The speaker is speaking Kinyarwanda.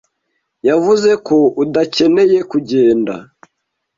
Yavuze ko udakeneye kugenda.